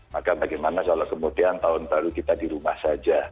maka bagaimana kalau kemudian tahun baru kita di rumah saja